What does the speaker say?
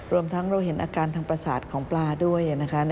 รวมทั้งเราเห็นอาการทางประสาทของปลาด้วยนะคะ